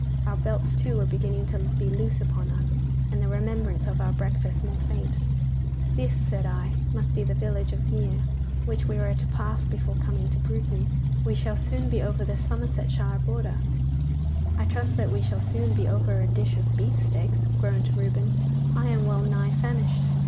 Our belts, too, were beginning to be loose upon us, and the remembrance of our breakfast more faint. 'This,' said I, 'must be the village of Mere, which we were to pass before coming to Bruton. We shall soon be over the Somersetshire border.' 'I trust that we shall soon be over a dish of beefsteaks,' groaned Reuben. 'I am well nigh famished.